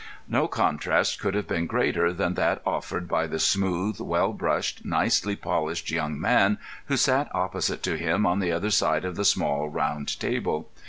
No contrast could have been greater than that offered by the smooth, well brushed, nicely polished young man who sat opposite to him on the other side of the small round table.